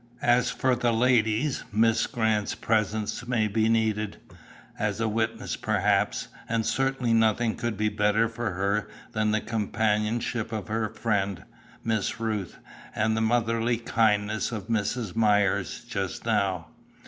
As for the ladies, Miss Grant's presence may be needed, as a witness perhaps, and certainly nothing could be better for her than the companionship of her friend, Miss Ruth, and the motherly kindness of Mrs. Myers, just now."